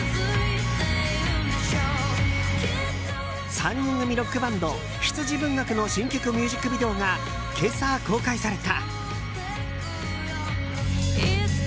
３人組ロックバンド羊文学の新曲ミュージックビデオが今朝、公開された。